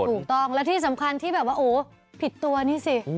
ถูกต้องแล้วที่สำคัญที่แบบว่าโอ้ผิดตัวนี่สิ